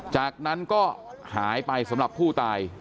จากนั้นก็หายไปสำหรับผู้ตาย